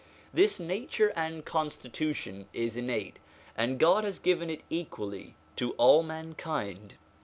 This nature and constitution is innate, and God has given it equally to all mankind.